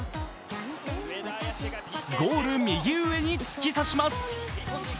ゴール右上に突き刺します。